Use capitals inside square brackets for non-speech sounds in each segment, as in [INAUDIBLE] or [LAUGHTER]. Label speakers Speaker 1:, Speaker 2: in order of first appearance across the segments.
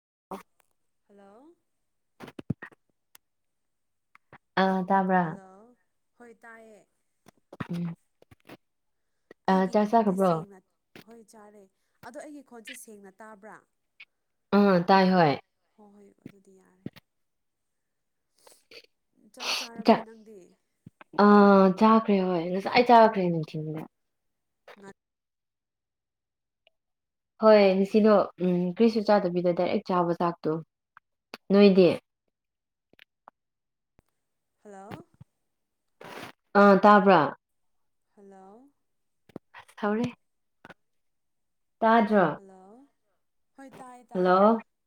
Speaker 1: [UNINTELLIGIBLE]
Speaker 2: Hello
Speaker 1: ꯑꯥ ꯇꯥꯕ꯭ꯔꯥ
Speaker 2: hello ꯍꯣꯏ ꯇꯥꯏꯌꯦ
Speaker 1: ꯎꯝ ꯑꯥ
Speaker 2: ꯑꯩꯒꯤ
Speaker 1: ꯆꯥꯛ
Speaker 2: ꯈꯣꯟꯗꯤ
Speaker 1: ꯆꯥꯈ꯭ꯔꯕ꯭ꯔꯣ
Speaker 2: ꯁꯦꯡꯅ ꯍꯣꯏ ꯆꯥꯔꯦ ꯑꯗꯣ ꯑꯩꯒꯤ ꯈꯣꯟꯁꯦ ꯁꯦꯡꯅ ꯇꯥꯕ꯭ꯔꯥ
Speaker 1: ꯑꯥ ꯇꯥꯏ ꯍꯣꯏ
Speaker 2: ꯍꯣꯏ ꯍꯣꯏ ꯑꯗꯨꯗꯤ ꯌꯥꯔꯦ ꯆꯥꯛ ꯆꯥꯔꯕ꯭ꯔꯥ ꯅꯪꯗꯤ
Speaker 1: ꯑ ꯆꯥꯈ꯭ꯔꯦ ꯍꯣꯏ ꯉꯁꯥꯏ ꯆꯥꯈ꯭ꯔꯦ ꯅꯤꯡꯊꯤꯟꯗ ꯍꯣꯏ ꯉꯁꯤꯗꯣ ꯎꯝ ꯀ꯭ꯔꯤꯁꯨ ꯆꯥꯗꯕꯤꯗ ꯗꯥꯏꯔꯦꯛ ꯆꯥꯕ ꯆꯥꯛꯇꯣ ꯅꯣꯏꯗꯤ
Speaker 2: ꯍꯜꯂꯣ
Speaker 1: ꯑ ꯇꯥꯕ꯭ꯔꯥ
Speaker 2: ꯍꯜꯂꯣ
Speaker 1: ꯊꯧꯔꯤ ꯇꯥꯖ
Speaker 2: ꯍꯜꯂꯣ ꯍꯣꯏ ꯇꯥꯏ ꯇꯥꯏ
Speaker 1: ꯍꯜꯂꯣ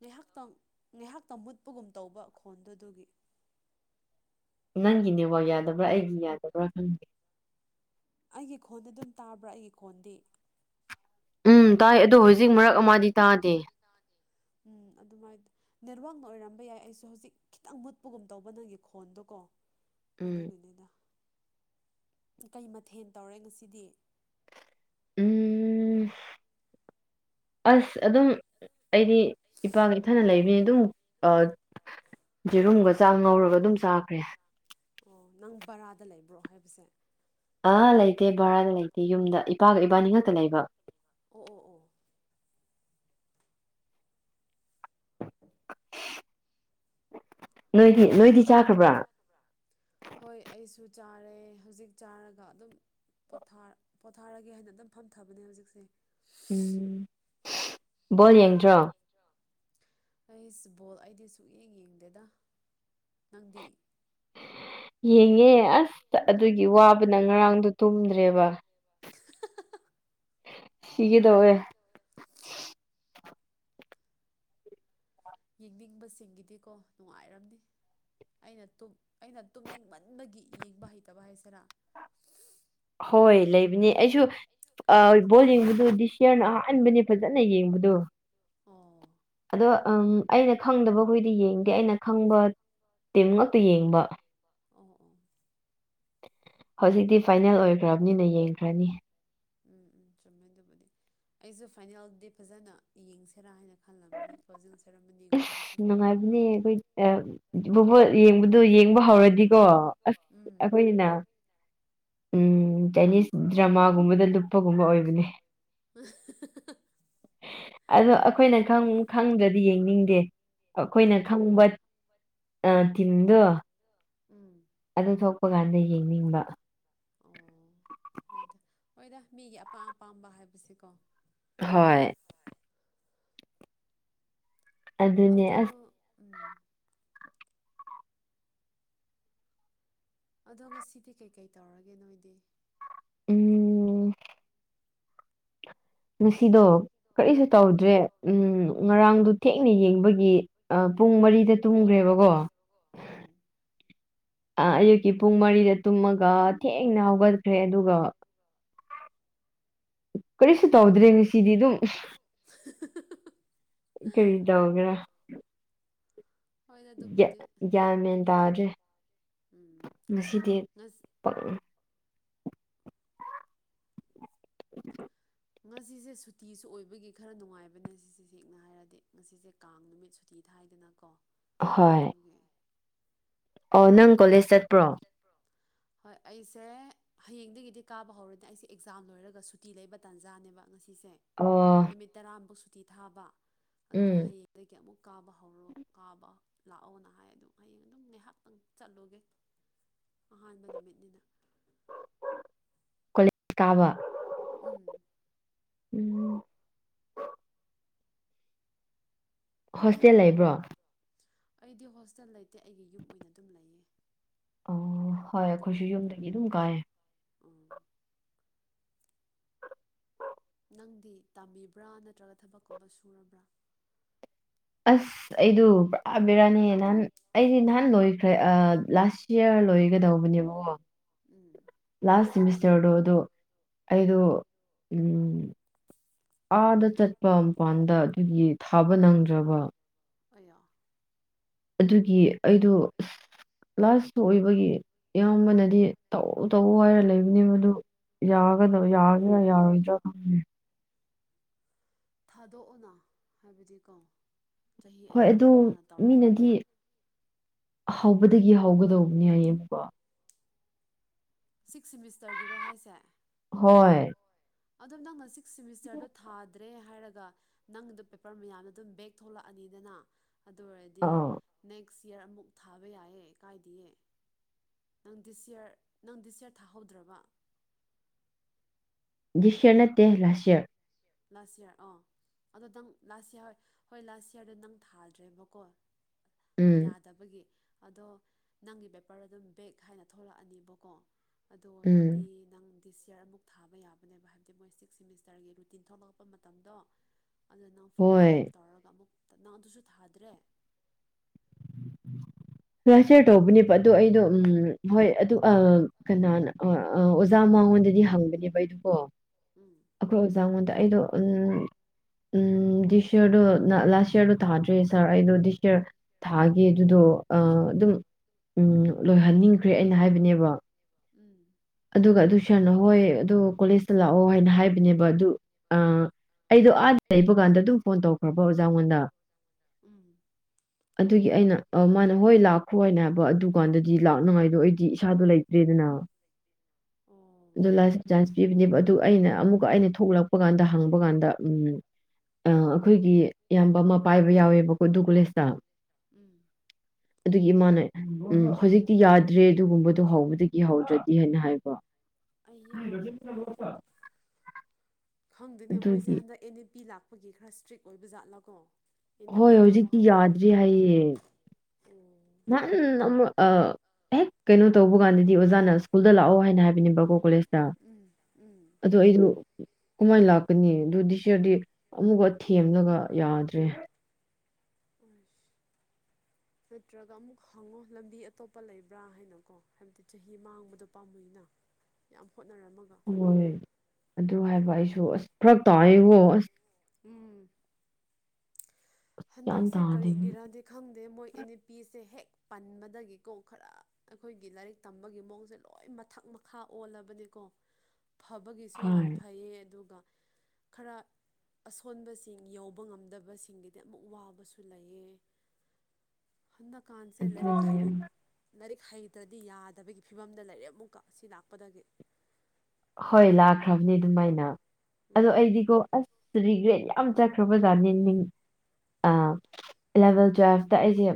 Speaker 2: ꯉꯥꯏꯍꯥꯛꯇꯪ ꯉꯥꯏꯍꯥꯛꯇꯪ ꯃꯨꯠꯄꯒꯨꯝ ꯇꯧꯕ ꯈꯣꯟꯗꯨꯗꯨꯒꯤ
Speaker 1: ꯅꯪꯒꯤ ꯅꯦꯠꯋꯥꯛ ꯌꯥꯗꯕ꯭ꯔꯥ ꯑꯩꯒꯤ ꯌꯥꯗꯕ꯭ꯔꯥ ꯈꯪꯗꯦ
Speaker 2: ꯑꯩꯒꯤ ꯈꯣꯟꯗ ꯑꯗꯨꯝ ꯇꯥꯕ꯭ꯔꯥ ꯑꯩꯒꯤ ꯈꯣꯟꯗꯤ
Speaker 1: ꯎꯝ ꯇꯥꯏ ꯑꯗꯣ ꯍꯧꯖꯤꯛ ꯃꯔꯛ ꯑꯃꯗꯤ ꯇꯥꯗꯦ
Speaker 2: ꯎꯝ ꯑꯗꯨꯃꯥꯏ ꯅꯦꯠꯋꯥꯛꯅ ꯑꯣꯏꯔꯝꯕ ꯌꯥꯏ ꯑꯩꯁꯨ ꯍꯧꯖꯤꯛ ꯈꯤꯇꯪ ꯃꯨꯠꯄꯒꯨꯝ ꯇꯧꯕ ꯅꯪꯒꯤ ꯈꯣꯟꯗꯣꯀꯣ
Speaker 1: ꯎꯝ
Speaker 2: ꯑꯗꯨꯒꯤꯅꯤꯗ ꯀꯩ ꯃꯊꯦꯟ ꯇꯧꯔꯦ ꯉꯁꯤꯗꯤ
Speaker 1: ꯎꯝ ꯑꯁ ꯑꯗꯨꯝ ꯑꯩꯗꯤ ꯏꯄꯥꯒ ꯏꯊꯅ ꯂꯩꯕꯅꯤ ꯑꯗꯨꯝ ꯌꯦꯖꯦꯔꯨꯝꯒ ꯆꯥꯛ ꯉꯧꯔꯒ ꯑꯗꯨꯝ ꯆꯥꯈ꯭ꯔꯦ
Speaker 2: ꯑꯣ ꯅꯪ ꯕꯔꯥꯗ ꯂꯩꯕ꯭ꯔꯣ ꯍꯥꯏꯕꯁꯦ
Speaker 1: ꯑ ꯂꯩꯇꯦ ꯚꯔꯥ ꯂꯩꯇꯦ ꯌꯨꯝꯗ ꯏꯄꯥꯒ ꯏꯕꯥꯅꯤ ꯉꯛꯇ ꯂꯩꯕ
Speaker 2: ꯑꯣ ꯑꯣ ꯑꯣ ꯎꯝ
Speaker 1: ꯅꯣꯏꯗꯤ ꯅꯣꯏꯗꯤ ꯆꯥꯈ꯭ꯔꯕ꯭ꯔꯥ
Speaker 2: ꯍꯣꯏ ꯑꯩꯁꯨ ꯆꯥꯔꯦ ꯍꯧꯖꯤꯛ ꯆꯥꯔꯒ ꯑꯗꯨꯝ ꯄꯣ ꯄꯣꯊꯥꯔꯒꯦ ꯍꯥꯏꯅ ꯑꯗꯨꯝ ꯐꯝꯊꯕꯅꯦ ꯍꯧꯖꯤꯛꯁꯦ
Speaker 1: ꯎꯝ ꯕꯣꯜ ꯌꯦꯡꯗ꯭ꯔꯣ
Speaker 2: ꯑꯩ ꯕꯣꯜ ꯑꯩꯗꯤ ꯁꯨꯛꯌꯦꯡ ꯌꯦꯡꯗꯦꯗ ꯅꯪꯗꯤ
Speaker 1: ꯌꯦꯡꯉꯦ ꯑꯁꯇ ꯑꯗꯨꯒꯤ ꯋꯥꯕꯅ ꯉꯔꯥꯡꯗꯣ ꯇꯨꯝꯗ꯭ꯔꯦꯕ ꯍꯤꯒꯗꯋꯦ
Speaker 2: ꯌꯦꯡꯅꯤꯡꯕꯁꯤꯡꯒꯤꯗꯤꯀꯣ ꯅꯨꯡꯉꯥꯏꯔꯝꯅꯤ ꯑꯩꯅ ꯑꯩꯅ ꯇꯨꯝꯅꯤꯡꯃꯟꯕꯒꯤ ꯌꯦꯡꯕ ꯍꯩꯇꯕ ꯍꯥꯏꯁꯤꯔꯥ
Speaker 1: ꯍꯣꯏ ꯂꯩꯕꯅꯦ ꯑꯩꯁꯨ ꯣꯏ ꯕꯣꯜ ꯌꯦꯡꯕꯗꯨꯣ ꯗꯤꯁ ꯌꯔꯅ ꯑꯍꯥꯟꯕꯅꯦ ꯐꯖꯅ ꯌꯦꯡꯕꯗꯣ
Speaker 2: ꯑꯣꯥ
Speaker 1: ꯑꯗꯣ ꯑꯩꯅ ꯈꯪꯗꯕ ꯍꯣꯏꯗꯤ ꯌꯦꯡꯗꯦ ꯑꯩꯅ ꯈꯪꯕ ꯇꯤꯝ ꯉꯛꯇ ꯌꯦꯡꯕ
Speaker 2: ꯑꯣ ꯑꯣ
Speaker 1: ꯍꯧꯖꯤꯛꯇꯤ ꯐꯥꯏꯅꯦꯜ ꯑꯣꯏꯈ꯭ꯔꯕꯅꯤꯅ ꯌꯦꯡꯈ꯭ꯔꯅꯤ
Speaker 2: ꯎꯝ ꯎꯝ ꯆꯨꯝꯃ ꯑꯗꯨꯕꯨꯗꯤ ꯑꯩꯁꯨ ꯐꯥꯏꯅꯦꯜꯗꯤ ꯐꯖꯅ ꯌꯦꯡꯁꯤꯔꯥ ꯍꯥꯏꯅ ꯍꯜꯂꯝꯕꯅꯦ ꯀ꯭ꯂꯣꯖꯤꯡ ꯁꯦꯔꯃꯅꯤꯒꯨꯝꯕꯗꯁꯨ
Speaker 1: ꯅꯨꯡꯉꯥꯏꯕꯅꯦ ꯑꯩꯈꯣꯏ ꯌꯦꯡꯕꯗꯣ ꯌꯦꯡꯕ ꯍꯧꯔꯗꯤꯀꯣ ꯑꯁ
Speaker 2: ꯎꯝ
Speaker 1: ꯑꯩꯈꯣꯏꯅ ꯎꯝ ꯆꯥꯏꯅꯤꯁ ꯗ꯭ꯔꯃꯥꯒꯨꯝꯕꯗ ꯂꯨꯞꯄꯒꯨꯝꯕ ꯑꯣꯏꯕꯅꯦ ꯑꯗꯣ ꯑꯩꯈꯣꯏꯅ ꯈꯪꯗꯗꯤ ꯌꯦꯡꯅꯤꯡꯗꯦ ꯑꯩꯈꯣꯏꯅ
Speaker 2: ꯎꯝ
Speaker 1: ꯈꯪꯕ ꯊꯤꯝꯗꯣ
Speaker 2: ꯎꯝ
Speaker 1: ꯑꯗꯨ ꯊꯣꯛꯄ ꯀꯥꯟꯗ ꯌꯦꯡꯅꯤꯡꯕ
Speaker 2: ꯑꯣ ꯍꯣꯏꯗ ꯍꯣꯏꯗ ꯃꯤꯒꯤ ꯑꯄꯥꯝ ꯑꯄꯥꯝꯕ ꯍꯥꯏꯕꯁꯤꯀꯣ
Speaker 1: ꯍꯣꯏ ꯑꯗꯨꯅꯦ ꯑꯁ
Speaker 2: ꯑꯗꯣ ꯎꯝ ꯑꯗꯨꯒ ꯁꯤꯗꯤ ꯀꯩꯀꯩ ꯇꯧꯔꯒꯦ ꯅꯣꯏꯗꯤ
Speaker 1: ꯎꯝ ꯉꯁꯤꯗꯣ ꯀꯔꯤꯁꯨ
Speaker 2: ꯎꯝ
Speaker 1: ꯇꯧꯗ꯭ꯔꯦ ꯎꯝ ꯉꯔꯥꯡꯗꯨ
Speaker 2: ꯎꯝ
Speaker 1: ꯊꯦꯡꯅ ꯌꯦꯡꯕꯒꯤ ꯄꯨꯡ ꯃꯔꯤꯗ ꯇꯨꯝꯈ꯭ꯔꯦꯕꯀꯣ
Speaker 2: ꯎꯝ
Speaker 1: ꯑꯌꯨꯛꯀꯤ ꯄꯨꯡ ꯃꯔꯤꯗ ꯇꯨꯝꯃꯒ ꯊꯦꯡꯅ ꯍꯧꯒꯠꯈ꯭ꯔꯦ ꯑꯗꯨꯒ ꯀꯔꯤꯁꯨ ꯇꯧꯗ꯭ꯔꯦ ꯉꯁꯤꯗꯤ ꯑꯗꯨꯝ
Speaker 2: [INAUDIBLE]
Speaker 1: ꯀꯔꯤ ꯗꯧꯒꯦꯔꯥ
Speaker 2: ꯍꯣꯏꯅꯦ ꯑꯗꯨꯕꯨꯗꯤ
Speaker 1: ꯒ꯭ꯌꯥꯟ ꯃꯦꯟ ꯇꯥꯗ꯭ꯔꯦ
Speaker 2: ꯎꯝ
Speaker 1: ꯉꯁꯤꯗꯤ
Speaker 2: ꯉꯁꯤ
Speaker 1: [UNINTELLIGIBLE]
Speaker 2: ꯉꯁꯤꯁꯦ ꯁꯨꯇꯤꯁꯨ ꯑꯣꯏꯕꯒꯤ ꯈꯔ ꯅꯨꯡꯉꯥꯏꯕꯅꯦ ꯁꯤꯁꯦ ꯁꯦꯡꯅ ꯍꯥꯏꯔꯗꯤ ꯉꯁꯤꯁꯦ ꯀꯥꯡ ꯅꯨꯃꯤꯠ ꯁꯨꯇꯤ ꯊꯥꯏꯗꯅꯀꯣ
Speaker 1: ꯍꯣꯏ
Speaker 2: ꯑꯗꯨꯒꯤ
Speaker 1: ꯑꯣ ꯅꯪ ꯀꯣꯂꯦꯖ ꯆꯠꯄ꯭ꯔꯣ
Speaker 2: ꯍꯣꯏ ꯑꯩꯁꯦ ꯍꯌꯦꯡꯗꯒꯤꯗꯤ ꯀꯥꯕ ꯍꯧꯔꯅꯦ ꯑꯩꯁꯦ ꯑꯦꯛꯖꯥꯝ ꯂꯣꯏꯔꯒ ꯁꯨꯇꯤ ꯂꯩꯕ ꯇꯥꯟꯖꯥꯅꯦꯕ ꯉꯁꯤꯁꯦ
Speaker 1: ꯑꯣ
Speaker 2: ꯅꯨꯃꯤꯠ ꯇꯔꯥꯃꯨꯛ ꯁꯨꯇꯤ ꯊꯥꯕ ꯑꯗꯨꯗ
Speaker 1: ꯎꯝ
Speaker 2: ꯍꯌꯦꯡ ꯑꯗꯒꯤ ꯑꯃꯨꯛ ꯀꯥꯕ ꯍꯧꯔꯣ ꯀꯥꯕ ꯂꯥꯛꯑꯣꯅ ꯍꯥꯏ ꯑꯗꯨꯝ ꯍꯌꯦꯡ ꯑꯗꯨꯝ ꯉꯥꯏꯍꯥꯛꯇꯪ ꯆꯠꯂꯣꯒꯦ ꯑꯍꯥꯟꯕ ꯅꯨꯃꯤꯠꯅꯤꯅ
Speaker 1: ꯀꯣꯂꯦꯖ ꯀꯥꯕ
Speaker 2: ꯎꯝ
Speaker 1: ꯑꯣ ꯍꯣꯁꯇꯦꯜꯂꯩ
Speaker 2: ꯑꯩꯗꯤ ꯍꯣꯁꯇꯦꯜ ꯂꯩꯇꯦ ꯑꯩꯒꯤ ꯌꯨꯝ ꯑꯣꯏꯅ ꯑꯗꯨꯝ ꯂꯩꯌꯦ
Speaker 1: ꯑꯣ ꯍꯣꯏ
Speaker 2: ꯑꯗꯨ
Speaker 1: ꯑꯩꯈꯣꯏꯁꯨ
Speaker 2: ꯑꯣꯏꯕꯅꯤꯅ
Speaker 1: ꯌꯨꯝꯗꯒꯤ ꯑꯗꯨꯝ ꯀꯥꯏꯌꯦ
Speaker 2: ꯑꯣ ꯅꯪꯗꯤ ꯇꯥꯝꯃꯤꯕ꯭ꯔꯥ ꯅꯠꯇ꯭ꯔꯒ ꯊꯕꯛꯀꯨꯝꯕ ꯁꯨꯔꯕ꯭ꯔꯥ
Speaker 1: ꯑꯁ ꯑꯩꯗꯨ ꯄꯨꯔꯥꯥ ꯕꯤꯔꯥꯅꯤ ꯅꯍꯥꯟ ꯑꯩꯗꯤ ꯅꯍꯥꯟ ꯂꯣꯏꯈ꯭ꯔꯦ ꯂꯥꯁ ꯏꯌꯥꯔ ꯂꯣꯏꯒꯗꯧꯕꯅꯦꯕꯀꯣ
Speaker 2: ꯎꯝ
Speaker 1: ꯂꯥꯁ ꯁꯤꯃꯤꯁꯇꯔꯗꯣ ꯑꯗꯣ ꯑꯩꯗꯣ ꯎꯝ ꯑꯥꯗ ꯆꯠꯄ ꯃꯄꯥꯟꯗ ꯑꯗꯨꯒꯤ ꯊꯥꯕ ꯅꯪꯗ꯭ꯔꯕ
Speaker 2: ꯑꯌꯥ
Speaker 1: ꯑꯗꯨꯒꯤ ꯑꯩꯗꯣ ꯂꯥꯁ ꯑꯣꯏꯕꯒꯤ ꯏꯌꯥꯝꯕꯅꯗꯤ ꯇꯧꯋꯣ ꯇꯧꯋꯣ ꯍꯥꯏꯔ ꯂꯩꯕꯅꯦ ꯃꯗꯨ ꯌꯥꯒꯗ
Speaker 2: ꯎꯝ
Speaker 1: ꯌꯥꯒꯦꯔ ꯌꯥꯔꯣꯏꯗ꯭ꯔꯥ ꯈꯪꯗꯦ
Speaker 2: ꯊꯥꯗꯣꯛꯑꯣꯅ ꯍꯥꯏꯕꯗꯤꯀꯣ ꯆꯍꯤ
Speaker 1: ꯍꯣꯏ
Speaker 2: ꯑꯅꯤ
Speaker 1: ꯑꯗꯨ
Speaker 2: ꯑꯍꯨꯝ ꯋꯥꯅ ꯇꯧꯔꯝꯃꯒ
Speaker 1: ꯃꯤꯅꯗꯤ ꯍꯧꯕꯗꯒꯤ ꯍꯧꯒꯗꯧꯕꯅꯦ ꯍꯥꯏꯌꯦ ꯑꯃꯨꯛꯀꯥ
Speaker 2: ꯁꯤꯛꯁ ꯁꯦꯝꯃꯤꯁꯇꯔꯒꯤꯔꯣ ꯍꯥꯏꯁꯦ
Speaker 1: ꯍꯣꯏ
Speaker 2: ꯑꯗꯣ ꯅꯪꯅ ꯁꯤꯛꯁ ꯁꯤꯃꯤꯁꯇꯔꯗꯣ ꯊꯥ ꯗ꯭ꯔꯦ ꯍꯥꯏꯔꯒ ꯅꯪꯗꯣ ꯄꯦꯄꯔ ꯃꯌꯥꯝꯅ ꯑꯗꯨꯝ ꯕꯦꯛ ꯊꯣꯛꯂꯛꯑꯅꯤꯗꯅ ꯑꯗꯨ ꯑꯣꯏꯔꯗꯤ
Speaker 1: ꯑꯥ
Speaker 2: ꯅꯦꯛꯁ ꯌꯥꯔ ꯑꯃꯨꯛ ꯊꯥꯕ ꯌꯥꯏꯌꯦ ꯀꯥꯏꯗꯌꯦ ꯅꯪ ꯗꯤꯁ ꯌꯔ ꯅꯪ ꯗꯤꯁ ꯌꯔ ꯊꯥꯍꯧꯗ꯭ꯔꯕ
Speaker 1: ꯗꯤꯁꯌꯔ ꯅꯠꯇꯦ ꯂꯥꯁꯌꯔ
Speaker 2: ꯂꯥꯁ ꯏꯌꯥꯔ ꯑꯣ ꯑꯗꯣ ꯅꯪ ꯂꯥꯁ ꯏꯌꯥꯔ ꯍꯣꯏ ꯂꯥꯁ ꯏꯌꯥꯔꯗꯣ ꯅꯪ ꯊꯥꯗ꯭ꯔꯦꯕꯀꯣ
Speaker 1: ꯎꯝ
Speaker 2: ꯌꯥꯗ ꯇꯒꯤ ꯑꯗꯣ ꯅꯪꯒꯤ ꯄꯦꯄꯔ ꯑꯗꯨꯝ ꯕꯦꯛ ꯍꯥꯏꯅ ꯊꯣꯛꯂꯛꯑꯅꯦꯕꯀꯣ ꯑꯗꯨ
Speaker 1: ꯎꯝ
Speaker 2: ꯑꯣꯏꯔꯗꯤ ꯅꯪ ꯗꯤꯁ ꯌꯔ ꯑꯃꯨꯛ ꯊꯥꯕ ꯌꯥꯕꯅꯦꯕ ꯍꯥꯏꯕꯗꯤ ꯃꯣꯏ ꯁꯤꯛꯁ ꯁꯦꯝꯃꯤꯁꯇꯔꯒꯤ ꯇꯤꯟꯊꯣꯛꯂꯛꯄ ꯃꯇꯝꯗꯣ ꯑꯗꯨ ꯅꯪ ꯐꯣꯔꯝ
Speaker 1: ꯍꯣꯏ
Speaker 2: ꯐꯤꯜ ꯎꯞ ꯇꯧꯔꯒ ꯑꯃꯨꯛ ꯅꯪ ꯑꯗꯨꯁꯨ ꯊꯥꯗ꯭ꯔꯦ
Speaker 1: ꯂꯥꯁꯌꯔ ꯇꯧꯕꯅꯦꯕ ꯑꯗꯣ ꯑꯩꯗꯣ ꯎꯝ ꯍꯣꯏ ꯑꯗꯨ ꯑꯥ ꯀꯅꯥꯅ ꯑꯥ ꯑꯥ ꯑꯣꯖꯥ ꯃꯉꯣꯟꯗꯗꯤ ꯍꯪꯕꯅꯦꯕ ꯑꯩꯗꯨꯀꯣ
Speaker 2: ꯎꯝ
Speaker 1: ꯑꯩꯈꯣꯏ ꯑꯣꯖꯥꯉꯣꯟꯗ ꯑꯩꯗꯣ ꯎꯝ ꯎꯝ ꯗꯤꯁ ꯏꯌꯔꯗꯣ ꯂꯥꯁ ꯏꯌꯥꯔꯗꯣ ꯊꯥꯗ꯭ꯔꯤ ꯁꯔ ꯑꯩꯗ ꯗꯤꯁ ꯢꯌꯔ ꯊꯥꯒꯤ ꯑꯗꯨꯗꯣ ꯑꯥ ꯑꯗꯨꯝ ꯎꯝ ꯂꯣꯏꯍꯟꯅꯤꯡꯈ꯭ꯔꯦ ꯑꯩꯅ ꯍꯥꯏꯕꯅꯦꯕ
Speaker 2: ꯎꯝ
Speaker 1: ꯑꯗꯨꯒ ꯑꯗꯨ ꯁꯥꯔꯅ ꯍꯣꯏ ꯑꯗꯨ ꯀꯣꯂꯦꯖꯇ ꯂꯥꯛꯑꯣ ꯍꯥꯏꯅ ꯍꯥꯏꯕꯅꯦꯕ ꯑꯗꯨ ꯑꯩꯗꯣ ꯑꯥꯗ ꯂꯩꯕ ꯀꯥꯟꯗ ꯑꯗꯨꯝ ꯐꯣꯟ ꯇꯧꯈ꯭ꯔꯕ ꯑꯣꯖꯥꯉꯣꯟꯗ
Speaker 2: ꯎꯝ
Speaker 1: ꯑꯗꯨꯒꯤ ꯑꯩꯅ ꯑ ꯃꯥꯅ ꯍꯣꯏ ꯂꯥꯛꯈ꯭ꯔꯣ ꯍꯥꯏꯅ ꯍꯥꯏꯕ ꯑꯗꯨ ꯀꯥꯟꯗꯗꯤ ꯂꯥꯛꯅꯉꯥꯏꯗꯣ ꯑꯩꯗꯤ ꯏꯁꯥꯗꯣ ꯂꯩꯇ꯭ꯔꯦꯗꯅ꯫
Speaker 2: ꯑꯣ
Speaker 1: ꯖꯨꯂꯥꯏꯗ ꯆꯥꯟꯁ ꯄꯤꯕꯅꯦꯕ ꯑꯗꯨ ꯑꯩꯅ ꯑꯃꯨꯛꯀ ꯑꯩꯅ ꯊꯣꯛꯂꯛꯄ ꯀꯥꯟꯗ ꯍꯪꯕ ꯀꯥꯟꯗ ꯎꯝ ꯑ ꯑꯩꯈꯣꯏꯒꯤ ꯏꯌꯥꯝꯕ ꯑꯃ ꯄꯥꯏꯕ ꯌꯥꯎꯋꯦꯕꯀꯣ ꯗꯨ ꯀꯣꯂꯦꯁꯇ꯫
Speaker 2: ꯑꯝ꯫
Speaker 1: ꯑꯗꯨꯒꯤ ꯏꯃꯥꯅ ꯎꯝ ꯍꯧꯖꯤꯛꯇꯤ ꯌꯥꯗ꯭ꯔꯦ ꯑꯗꯨꯒꯨꯝꯕꯗ ꯍꯧꯕꯗꯒꯤ ꯍꯧꯗ꯭ꯔꯗꯤ ꯍꯥꯏꯅ ꯍꯥꯏꯕ
Speaker 2: ꯑꯩꯌꯥ ꯈꯪꯗꯦꯅꯦ
Speaker 1: ꯑꯗꯨꯒꯤ
Speaker 2: ꯃꯣꯏꯖꯦ ꯍꯟꯗꯛ ꯑꯦꯟ ꯢ ꯄꯤ ꯂꯥꯛꯄꯒꯤ ꯈꯔꯥ ꯏꯁꯇ꯭ꯔꯤꯛ ꯑꯣꯏꯕ ꯖꯥꯠꯂꯥ ꯀꯣ ꯑꯦꯟ ꯏ
Speaker 1: ꯍꯣꯏ
Speaker 2: ꯄꯤ ꯇꯧꯕ
Speaker 1: ꯍꯧꯖꯤꯛꯇꯤ
Speaker 2: ꯍꯧꯔꯦ
Speaker 1: ꯌꯥꯗ꯭ꯔꯤ
Speaker 2: ꯍꯥꯏꯕꯅꯦꯕ ꯎꯝ
Speaker 1: ꯃꯨꯟ ꯅ ꯑꯃꯨꯔꯛ ꯑꯥ ꯍꯦꯛ ꯀꯩꯅꯣ ꯇꯧꯕ ꯀꯥꯟꯗꯗꯤ ꯑꯣꯖꯥꯅ ꯁ꯭ꯀꯨꯜꯗ ꯂꯥꯛꯑꯣ ꯍꯥꯏꯅ ꯍꯥꯏꯕꯅꯦꯕꯀꯣ ꯀꯣꯂꯦꯖ
Speaker 2: ꯎꯝ ꯎꯝ
Speaker 1: ꯑꯗꯨ ꯑꯩꯗꯨ ꯀꯃꯥꯏꯅ ꯂꯥꯛꯀꯅꯤ ꯑꯗꯨ ꯇꯤꯆꯔꯗꯤ ꯑꯃꯨꯛꯀ ꯊꯦꯝꯂꯒ ꯌꯥꯗ꯭ꯔꯦ꯫
Speaker 2: [UNINTELLIGIBLE] ꯅꯠꯇ꯭ꯔꯒ ꯑꯃꯨꯛ ꯍꯪꯉꯣ ꯂꯝꯕꯤ ꯑꯇꯣꯞꯄ ꯂꯩꯕ꯭ꯔꯥ ꯍꯥꯏꯅꯀꯣ ꯍꯥꯏꯕꯗꯤ ꯆꯍꯤ ꯃꯥꯡꯕꯗꯣ ꯄꯥꯝꯃꯨꯏꯅ꯫ ꯌꯥꯝ ꯍꯣꯠꯅꯔꯝꯃꯒ꯫
Speaker 1: ꯍꯣꯏ ꯑꯗꯨ ꯍꯥꯏꯕ ꯑꯩꯁꯨ ꯑꯁ ꯐꯔꯛ ꯇꯥꯌꯦꯕꯣ ꯑꯁ
Speaker 2: ꯎꯝ
Speaker 1: ꯒ꯭ꯌꯥꯟ
Speaker 2: ꯍꯟꯗꯛꯁꯦ
Speaker 1: ꯇꯥꯗꯦ
Speaker 2: ꯀꯔꯤꯒꯤꯔꯗꯤ ꯈꯪꯗꯦ ꯃꯣꯏ ꯑꯦꯟ ꯢ ꯄꯤ ꯁꯦ ꯍꯦꯛ ꯄꯟꯕꯗꯒꯤꯀꯣ ꯈꯔꯥ ꯑꯩꯈꯣꯏꯒꯤ ꯂꯥꯏꯔꯤꯛ ꯇꯝꯕꯒꯤ ꯃꯑꯣꯡꯁꯦ ꯂꯣꯏ ꯃꯊꯛ ꯃꯈꯥ ꯑꯣꯜꯂꯕꯅꯦꯀꯣ꯫ ꯐꯕꯒꯤꯁꯨ ꯌꯥꯝ
Speaker 1: ꯍꯣꯏ
Speaker 2: ꯐꯩꯌꯦ ꯑꯗꯨꯒ ꯈꯔ ꯑꯁꯣꯟꯕꯁꯤꯡ ꯌꯧꯕ ꯉꯝꯗꯕꯁꯤꯡꯒꯤ ꯑꯃꯨꯛ ꯋꯥꯕꯁꯨ ꯂꯩꯌꯦ ꯍꯟꯗꯛꯀꯥꯟꯁꯦ ꯂꯥꯏꯔꯤꯛ ꯍꯩ
Speaker 1: ꯑꯗꯨꯅꯦ
Speaker 2: ꯂꯥꯏꯔꯤꯛ ꯍꯩꯇ꯭ꯔꯗꯤ ꯌꯥꯗꯕꯒꯤ ꯐꯤꯕꯝꯗ ꯂꯩꯔꯦ ꯑꯃꯨꯛꯀ ꯁꯤ ꯂꯥꯛꯄꯗꯒꯤ
Speaker 1: ꯍꯣꯏ ꯂꯥꯛꯈ꯭ꯔꯕꯅꯤ ꯑꯗꯨꯃꯥꯏꯅ ꯑꯗꯣ ꯑꯩꯗꯤꯀꯣ ꯑꯁ ꯔꯤꯒ꯭ꯔꯦꯠ ꯌꯥ ꯑꯝ ꯆꯠꯈ꯭ꯔꯕꯖꯥꯅꯦ ꯅꯤꯡ
Speaker 2: [UNINTELLIGIBLE]
Speaker 1: ꯏꯂꯥꯕꯦꯜ, ꯇꯨꯋꯦꯜꯐꯇꯥ ꯑꯩꯁꯦ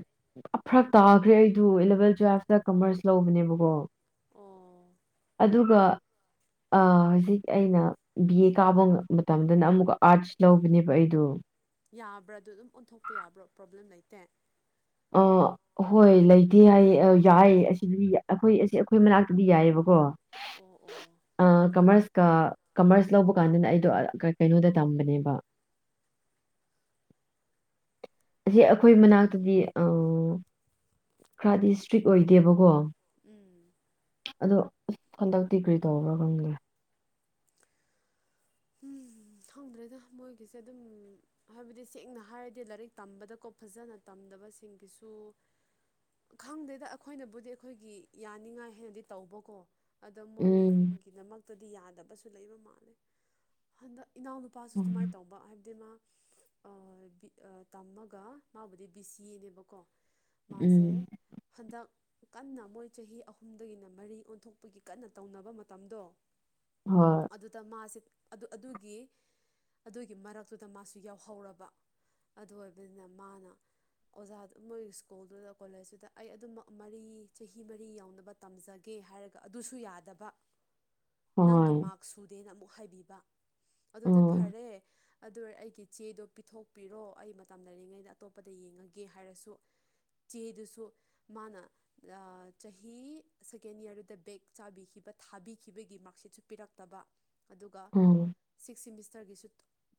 Speaker 1: ꯑ ꯐꯔꯥꯛ ꯇꯥꯈ꯭ꯔꯦ ꯑꯩꯗꯨ ꯏꯂꯕꯦꯟ ꯇꯨꯋꯦꯜꯐꯇꯥ ꯀꯃꯔꯁ ꯂꯧꯕꯅꯦꯕꯀꯣ꯫
Speaker 2: ꯑꯣ
Speaker 1: ꯑꯗꯨꯒ ꯑꯥ ꯍꯧꯖꯤꯛ ꯑꯩꯅ ꯕꯤ ꯑꯦ ꯀꯥꯕ ꯃꯇꯝꯗꯅ ꯑꯃꯨꯛꯀ ꯑꯥꯔꯠꯁ ꯂꯧꯕꯅꯦꯕ ꯑꯩꯗꯨ
Speaker 2: ꯌꯥꯕ꯭ꯔꯥ ꯑꯗꯨ ꯑꯗꯨꯝ ꯑꯣꯟꯊꯣꯛꯄ ꯌꯥꯕ꯭ꯔꯣ ꯄ꯭ꯔꯣꯕ꯭ꯂꯦꯝ ꯂꯩꯇꯦ? [INAUDIBLE]
Speaker 1: ꯑꯍꯣꯏ ꯂꯩꯇꯦ ꯍꯥꯏꯌꯦ ꯑꯥ ꯌꯥꯏ ꯑꯁꯤꯗꯤ ꯑꯩꯈꯣꯏ ꯑꯁꯤ ꯑꯩꯈꯣꯏ ꯃꯅꯛꯇꯗꯤ ꯌꯥꯏꯑꯕꯀꯣ
Speaker 2: ꯑꯣ ꯑꯣ
Speaker 1: ꯑꯥ ꯀꯃꯔꯁ ꯀꯥ ꯀꯥꯃꯔꯁ ꯂꯧꯕ ꯀꯥꯟꯗꯅ ꯑꯩꯗꯣ ꯀꯩꯅꯣꯗ ꯇꯝꯕꯅꯦꯕ ꯑꯁꯤ ꯑꯩꯈꯣꯏ ꯃꯅꯥꯛꯇꯗꯤ ꯑꯣ ꯈꯔꯗꯤ ꯏꯁꯇ꯭ꯔꯤꯛ ꯑꯣꯏꯗꯦꯕꯀꯣ
Speaker 2: ꯎꯝ
Speaker 1: ꯑꯗꯣ ꯍꯟꯗꯛꯇꯤ ꯀ꯭ꯔꯤ ꯇꯧꯕ꯭ꯔꯥ ꯈꯪꯗꯦ
Speaker 2: ꯎꯝ ꯈꯪꯗ꯭ꯔꯦꯗ ꯃꯣꯏꯒꯤꯁꯦ ꯑꯗꯨꯝ ꯍꯥꯏꯕꯗꯤ ꯁꯦꯡꯅ ꯍꯥꯏꯔꯗꯤ ꯂꯥꯏꯔꯤꯛ ꯇꯝꯕꯗꯀꯣ ꯐꯖꯅ ꯇꯝꯗꯕꯁꯤꯡꯒꯤꯁꯨ꯫ ꯈꯪꯗꯦꯗ ꯑꯩꯈꯣꯏꯅꯕꯨꯗꯤ ꯑꯩꯈꯣꯏꯒꯤ ꯌꯥꯅꯤꯡꯉꯥꯏ ꯍꯥꯏꯅꯗꯤ ꯇꯧꯕꯀꯣ꯫ ꯑꯗ
Speaker 1: ꯎꯝ
Speaker 2: ꯃꯣꯏꯒꯤꯗꯃꯛꯇꯗꯤ ꯌꯥꯗꯕꯁꯨ ꯂꯩꯕ ꯃꯥꯜꯂꯦ ꯍꯟꯗꯛ ꯏꯅꯥꯎꯅꯨꯞ__ ꯄꯥꯁꯁꯨ ꯑꯗꯨꯃꯥꯏ ꯇꯧꯕ ꯍꯥꯏꯕꯗꯤ ꯃꯥ ꯑ ꯕꯤ ꯑ ꯇꯝꯃꯒ ꯃꯥꯕꯨꯗꯤ ꯕꯤꯁꯤꯑꯦ ꯅꯦꯕꯀꯣ꯫ ꯃꯥꯁꯦ
Speaker 1: ꯎꯝ
Speaker 2: ꯍꯟꯗꯛ ꯀꯟꯅ ꯃꯣꯏ ꯆꯍꯤ ꯑꯍꯨꯝꯗꯒꯤꯅ ꯃꯔꯤ ꯑꯣꯟꯊꯣꯛꯄꯒꯤ ꯀꯟꯅ ꯇꯧꯅꯕ ꯃꯇꯝꯗꯣ
Speaker 1: ꯍꯣꯏ
Speaker 2: ꯑꯗꯨꯗ ꯃꯥꯁꯦ ꯑꯗꯣ ꯑꯗꯨꯒꯤ ꯑꯗꯨꯒꯤ ꯃꯔꯛꯇꯨꯗ ꯃꯥꯁꯨ ꯌꯥꯎꯍꯧꯔꯕ ꯑꯗꯨ ꯑꯣꯏꯕꯅꯤꯅ ꯃꯥꯅ ꯑꯣꯖꯥꯗ ꯃꯣꯏ ꯁ꯭ꯀꯨꯜꯗꯨꯗ ꯀꯣꯂꯦꯖꯇꯨꯗ ꯑꯩ ꯑꯗꯨꯝꯃꯛ ꯃꯔꯤ ꯆꯍꯤ ꯃꯔꯤ ꯌꯧꯅꯕ ꯇꯝꯖꯒꯦ ꯍꯥꯏꯔꯒ ꯑꯗꯨꯁꯨ ꯌꯥꯗꯕ ꯅꯪꯒꯤ
Speaker 1: ꯍꯣꯏ
Speaker 2: ꯃꯥꯛ ꯁꯨꯗꯦꯅ ꯑꯃꯨꯛ ꯍꯥꯏꯕꯤꯕ ꯑꯗꯨꯗꯤ
Speaker 1: ꯎꯝ
Speaker 2: ꯐꯥꯔꯦ ꯑꯗꯣꯏꯔꯥ ꯑꯩꯒꯤ ꯆꯦꯗꯣ ꯄꯤꯊꯣꯛꯄꯤꯔꯣ ꯑꯩ ꯃꯇꯝ ꯂꯩꯔꯤꯉꯩꯗ ꯑꯇꯣꯞꯄꯗ ꯌꯦꯡꯉꯥꯒꯦ ꯍꯥꯏꯔꯁꯨ ꯆꯦꯗꯨꯁꯨ ꯃꯥꯅ ꯑ ꯆꯍꯤ ꯁꯦꯀꯦꯟ ꯏꯌꯥꯔꯗꯨꯗ ꯕꯦꯛ ꯆꯥꯕꯤꯈꯤꯕ ꯊꯥꯕꯤꯈꯤꯕꯒꯤ ꯃꯥꯛ ꯁꯤꯠꯁꯨ ꯄꯤꯔꯛꯇꯕ꯫ ꯑꯗꯨꯒ꯫
Speaker 1: ꯑꯝ꯫
Speaker 2: ꯁꯤꯛꯁ ꯁꯤꯃꯤꯁꯇꯔꯒꯤꯁꯨ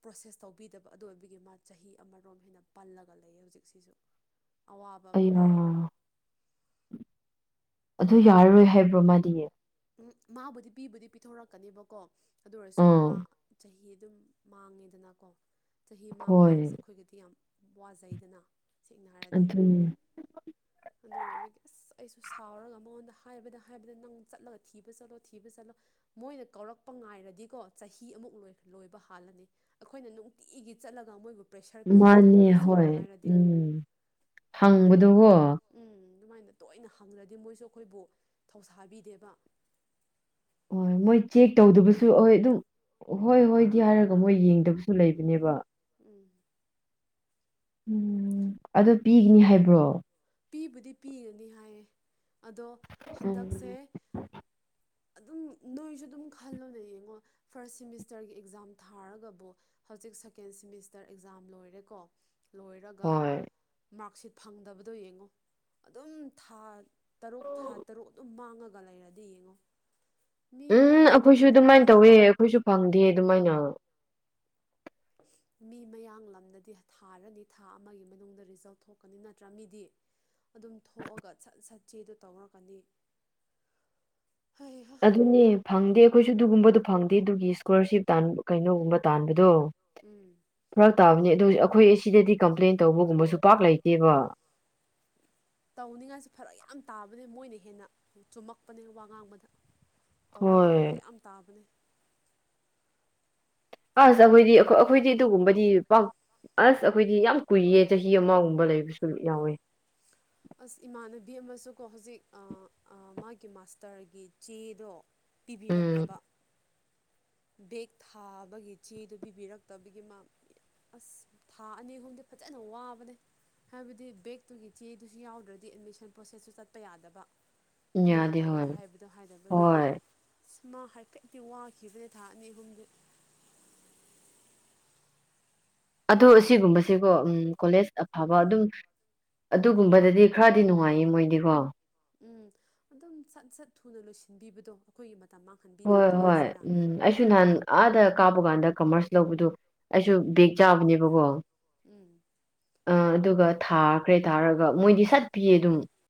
Speaker 2: ꯄ꯭ꯔꯣꯁꯦꯁ ꯇꯧꯕꯤꯗꯕ ꯑꯗꯨ ꯑꯣꯏꯕꯒꯤ ꯃꯥ ꯆꯍꯤ ꯑꯃꯔꯣꯝ ꯍꯦꯟꯅ ꯄꯜꯂꯒ ꯂꯩꯌꯦ ꯍꯧꯖꯤꯛꯁꯤꯁꯨ꯫ ꯑꯋꯥꯕ ꯑꯃꯅꯦ
Speaker 1: ꯑꯩꯌꯥ
Speaker 2: ꯌꯦꯡꯉꯣ
Speaker 1: ꯑꯗꯨ ꯌꯥꯔꯔꯣꯏ ꯍꯥꯏꯕ꯭ꯔꯣ ꯃꯥꯗꯤ
Speaker 2: ꯃꯥꯕꯨꯗꯤ ꯄꯤꯕꯨꯗꯤ ꯄꯤꯊꯣꯔꯛꯀꯅꯦꯕꯀꯣ ꯑꯗꯨ ꯑꯣꯏꯔꯁꯨ ꯃꯥ
Speaker 1: ꯎꯝ
Speaker 2: ꯆꯍꯤ ꯑꯗꯨꯝ ꯃꯥꯡꯉꯦꯗꯅꯀꯣ ꯆꯍꯤ ꯃꯥꯡꯕ
Speaker 1: ꯍꯣꯏ
Speaker 2: ꯍꯥꯏꯕꯁꯦ ꯑꯩꯈꯣꯏꯒꯤꯗꯤ ꯌꯥꯝ ꯋꯥꯖꯩꯗꯅ ꯁꯦꯡꯅ ꯍꯥꯏꯔꯗꯤ
Speaker 1: ꯑꯗꯨꯅꯤ
Speaker 2: ꯑꯗꯨ ꯑꯣꯏꯔꯕꯒꯤ ꯑꯁ ꯑꯩꯁꯨ ꯁꯥꯎꯔꯒ ꯃꯉꯣꯟꯗ ꯍꯥꯏꯕꯗ ꯍꯥꯏꯕꯗ ꯅꯪ ꯆꯠꯂꯒ ꯊꯤꯕ ꯆꯠꯂꯣ ꯊꯤꯕ ꯆꯠꯂꯣ ꯃꯣꯏꯅ ꯀꯧꯔꯛꯄ ꯉꯥꯏꯔꯗꯤꯀꯣ ꯆꯍꯤ ꯑꯃꯨꯛ ꯂꯣꯏ ꯂꯣꯏꯕ ꯍꯥꯜꯂꯅꯤ ꯑꯩꯈꯣꯏꯅ ꯅꯨꯡꯇꯤꯒꯤ ꯆꯠꯂꯒ ꯃꯣꯏꯕꯨ ꯄ꯭ꯔꯦꯁꯔ
Speaker 1: ꯃꯥꯅꯦ
Speaker 2: ꯄꯤꯒꯗꯕꯅꯦ ꯁꯦꯡꯅ
Speaker 1: ꯍꯣꯏ
Speaker 2: ꯍꯥꯏꯔꯗꯤ
Speaker 1: ꯎꯝ ꯍꯪꯕꯗꯨ ꯍꯣ
Speaker 2: ꯎꯝ ꯑꯗꯨꯃꯥꯏꯅ ꯇꯣꯏꯅ ꯍꯪꯂꯗꯤ ꯃꯣꯏꯁꯨ ꯑꯩꯈꯣꯏꯕꯨ ꯊꯧꯁꯥꯕꯤꯗꯦꯕ
Speaker 1: ꯑꯣ ꯃꯣꯏ ꯆꯦꯛ ꯇꯧꯗꯕꯁꯨ ꯑꯍꯣꯏ ꯑꯗꯨꯝ ꯍꯣꯏ ꯍꯣꯏꯗꯤ ꯍꯥꯏꯔꯒ ꯃꯣꯏ ꯌꯦꯡꯗꯕꯁꯨ ꯂꯩꯕꯅꯦꯕ
Speaker 2: ꯎꯝ
Speaker 1: ꯎꯝ ꯑꯗꯨ ꯄꯤꯒꯅꯤ ꯍꯥꯏꯕ꯭ꯔꯣ
Speaker 2: ꯄꯤꯕꯨꯗꯤ ꯄꯤꯒꯅꯤ ꯍꯥꯏꯌꯦ ꯑꯗꯣ
Speaker 1: ꯎꯝ
Speaker 2: ꯍꯟꯗꯛꯁꯦ ꯑꯗꯨꯝ ꯅꯣꯏꯁꯨ ꯑꯗꯨꯝ ꯈꯜꯂꯨꯅꯦ ꯌꯦꯡꯉꯣ ꯐꯥꯔꯁ ꯁꯤꯃꯤꯁꯇꯔꯒꯤ ꯑꯦꯛꯖꯥꯝ ꯊꯥꯔꯒꯕꯨ ꯍꯧꯖꯤꯛ ꯁꯦꯀꯦꯟ ꯁꯤꯃꯤꯁꯇꯔ ꯑꯦꯛꯖꯥꯝ ꯂꯣꯏꯔꯦꯀꯣ ꯂꯣꯏꯔꯒ
Speaker 1: ꯍꯣꯏ
Speaker 2: ꯃꯥꯔꯛꯁꯤꯠ ꯐꯪꯗꯕꯗꯣ ꯌꯦꯡꯉꯣ ꯑꯗꯨꯝ ꯊꯥ ꯇꯔꯨꯛ ꯊꯥ ꯇꯔꯨꯛ ꯑꯗꯨꯝ ꯃꯥꯡꯉꯒ ꯂꯩꯔꯗꯤ ꯌꯦꯡꯉꯣ ꯃꯤ
Speaker 1: ꯎꯝ
Speaker 2: ꯃꯌꯥꯡ
Speaker 1: ꯑꯩꯈꯣꯏꯁꯨ ꯑꯗꯨꯃꯥꯏꯅ
Speaker 2: ꯂꯝꯗꯗꯤ
Speaker 1: ꯇꯧꯋꯦ ꯑꯩꯈꯣꯏꯁꯨ ꯐꯪꯗꯦ ꯑꯗꯨꯃꯥꯏꯅ
Speaker 2: ꯃꯤ ꯃꯌꯥꯡꯂꯝꯗꯗꯤ ꯊꯥꯔꯅꯤ ꯊꯥ ꯑꯃꯒꯤ ꯃꯅꯨꯡꯗ ꯔꯤꯖꯜ ꯊꯣꯛꯀꯅꯤ ꯅꯠꯇ꯭ꯔꯥ ꯃꯤꯗꯤ ꯑꯗꯨꯝ ꯊꯣꯛꯑꯒ ꯁꯠ ꯁꯠ ꯆꯦꯗꯣ ꯇꯧꯔꯛꯀꯅꯤ ꯍꯩꯍꯥ
Speaker 1: ꯑꯗꯨꯅꯦ ꯐꯪꯗꯦ ꯑꯩꯈꯣꯏꯁꯨ
Speaker 2: ꯑꯗꯨꯅꯤ ꯐꯪꯗꯦ
Speaker 1: ꯑꯗꯨꯒꯨꯝꯕꯗꯨ ꯐꯪꯗꯦ ꯑꯗꯨꯒꯤ ꯏꯁꯀꯣꯂꯔꯁꯤꯞ
Speaker 2: ꯑꯩꯈꯣꯏꯁꯨ
Speaker 1: ꯇꯟ
Speaker 2: ꯑꯗꯨꯒꯨꯝꯕꯗꯣ
Speaker 1: ꯀꯩꯅꯣꯒꯨꯝꯕ
Speaker 2: ꯐꯪꯗꯦ
Speaker 1: ꯇꯥꯟꯕꯗꯣ
Speaker 2: ꯑꯗꯨꯒꯤ ꯏꯁꯀꯣꯂꯔꯁꯤꯞ ꯇꯥꯟꯕ ꯀꯩꯅꯣꯒꯨꯝꯕ ꯇꯥꯟꯕꯗꯣ ꯎꯝ
Speaker 1: ꯐꯔꯛ ꯇꯥꯕꯅꯦ ꯑꯗꯨ ꯑꯩꯈꯣꯏ ꯑꯁꯤꯗꯗꯤ ꯀꯝꯄ꯭ꯂꯦꯟ ꯇꯧꯕꯒꯨꯝꯕꯁꯨ ꯄꯥꯛ ꯂꯩꯇꯦꯕ
Speaker 2: ꯇꯧꯅꯤꯡꯉꯥꯏꯁꯦ ꯐꯔꯛ ꯌꯥꯝ ꯇꯥꯕꯅꯦ ꯃꯣꯏꯅ ꯍꯦꯟꯅ ꯆꯨꯝꯃꯛꯄꯅꯦ ꯋꯥ ꯉꯥꯡꯕꯗ ꯇꯧꯅꯤꯡꯉꯥꯏ
Speaker 1: ꯍꯣꯏ
Speaker 2: ꯐꯔꯛ ꯌꯥꯝ ꯇꯥꯕꯅꯤ
Speaker 1: ꯑꯁ ꯑꯩꯈꯣꯏꯗꯤ ꯑꯩꯈꯣꯏꯗꯤ ꯑꯗꯨꯒꯨꯝꯕꯗꯤ ꯄꯛ ꯑꯁ ꯑꯩꯈꯣꯏꯗꯤ ꯌꯥꯝ ꯀꯨꯏꯌꯦ ꯆꯍꯤ ꯑꯃꯒꯨꯝꯕ ꯂꯩꯕꯁꯨ ꯌꯥꯎꯋꯦ
Speaker 2: ꯑꯁ ꯏꯃꯥꯟꯅꯕꯤ ꯑꯃꯁꯨꯀꯣ ꯍꯧꯖꯤꯛ ꯑꯥ ꯑꯥ ꯃꯥꯒꯤ ꯃꯥꯁꯇꯔꯒꯤ ꯆꯦꯗꯣ
Speaker 1: ꯎꯝ
Speaker 2: ꯄꯤꯕꯤꯔꯛꯇꯕ ꯕꯦꯛ ꯊꯥꯕꯒꯤ ꯆꯦꯗꯨ ꯄꯤꯕꯤꯔꯛꯇꯕꯒꯤ ꯃꯥ ꯑꯁ ꯊꯥ ꯑꯅꯤ ꯑꯍꯨꯝꯗꯤ ꯐꯖꯅ ꯋꯥꯕꯅꯦ ꯍꯥꯏꯕꯗꯤ ꯕꯦꯛꯇꯨꯒꯤ ꯆꯦ ꯑꯗꯨꯁꯨ ꯌꯥꯎꯗ꯭ꯔꯗꯤ ꯑꯦꯗꯃꯤꯁꯟ ꯄ꯭ꯔꯣꯁꯦꯁꯁꯨ ꯆꯠꯄ ꯌꯥꯗꯕ ꯀ꯭ꯂꯤꯌꯥꯔ
Speaker 1: ꯌꯥꯗꯦ
Speaker 2: ꯇꯧꯔꯦ
Speaker 1: ꯍꯣꯏ
Speaker 2: ꯍꯥꯏꯕꯗꯣ ꯍꯥꯏꯅꯕꯒꯤ
Speaker 1: ꯍꯣꯏ
Speaker 2: ꯑꯁ ꯃꯥ ꯍꯥꯏꯐꯦꯠꯇꯗꯤ ꯋꯥꯈꯤꯕꯅꯦ ꯊꯥ ꯑꯅꯤ ꯑꯍꯨꯝꯗꯤ
Speaker 1: ꯑꯗꯨ ꯑꯁꯤꯒꯨꯝꯕꯁꯦꯀꯣ ꯎꯝ ꯀꯣꯂꯦꯖ ꯑꯐꯕ ꯑꯗꯨꯝ ꯑꯗꯨꯒꯨꯝꯕꯗꯗꯤ ꯈꯔꯗꯤ ꯅꯨꯡꯉꯥꯏꯌꯦ ꯃꯣꯏꯗꯤꯀꯣ
Speaker 2: ꯎꯝ ꯑꯗꯨꯝ ꯁꯠ ꯁꯠ ꯊꯨꯅ ꯂꯣꯏꯁꯤꯟꯕꯤꯕꯗꯣ ꯑꯩꯈꯣꯏꯒꯤ ꯃꯇꯝ ꯃꯥꯡ__
Speaker 1: ꯍꯣꯏ ꯍꯣꯏ ꯎꯝ ꯑꯩꯁꯨ ꯅꯍꯥꯟ ꯑꯥꯗ ꯀꯥꯕꯀꯥꯟꯗ ꯀꯃꯔꯁ ꯂꯧꯕꯗꯨ ꯑꯩꯁꯨ ꯕꯦꯛ ꯆꯥꯕꯅꯦꯕꯀꯣ
Speaker 2: ꯎꯝ
Speaker 1: ꯑ ꯑꯗꯨꯒ ꯊꯥꯈ꯭ꯔꯦ ꯊꯥꯔꯒ ꯃꯣꯏꯗꯤ ꯁꯠꯄꯤꯌꯦ ꯑꯗꯨꯝ